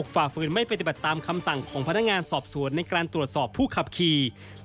ฝ่าฝืนไม่ปฏิบัติตามคำสั่งของพนักงานสอบสวนในการตรวจสอบผู้ขับขี่